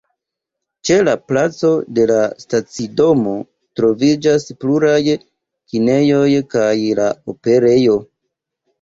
Ĉe la placo de la stacidomo troviĝas pluraj kinejoj kaj la Operejo.